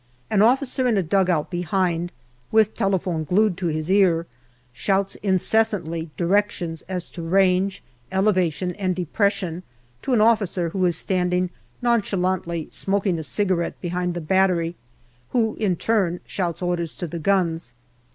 An officer in a dugout behind, with telephone glued to his ear, shouts incessantly directions as to range, elevation, and depression to an officer who is standing nonchalantly smoking a cigarette behind the battery, who in turn shouts orders to the guns.